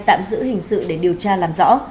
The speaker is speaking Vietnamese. tạm giữ hình sự để điều tra làm rõ